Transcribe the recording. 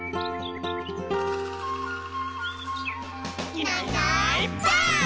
「いないいないばあっ！」